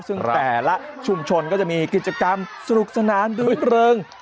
ซึ่งแต่ละชุมชนก็จะมีกิจกรรมสนุกสนานด้วยเริง